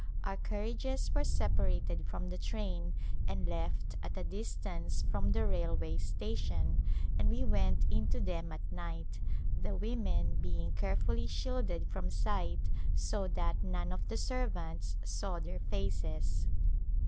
Our carriages were separated from the train and left at a distance from the railway station and we went into them at night, the women being carefully shielded from sight so that none of the servants saw their faces.